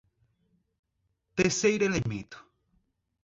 Terceiro elemento